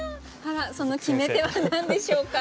その決め手は何でしょうか？